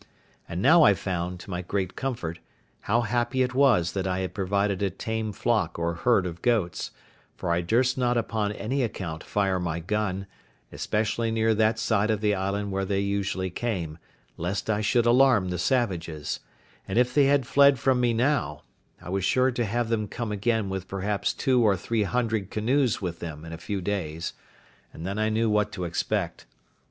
And now I found, to my great comfort, how happy it was that I had provided a tame flock or herd of goats, for I durst not upon any account fire my gun, especially near that side of the island where they usually came, lest I should alarm the savages; and if they had fled from me now, I was sure to have them come again with perhaps two or three hundred canoes with them in a few days, and then I knew what to expect.